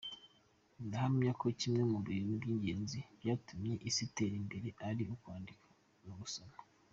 Ndahamyako kimwe mu bintu by’ingenzi byatumye isi itera imbere ari ukwandika no gusoma.